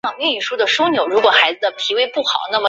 任改翰林院庶吉士。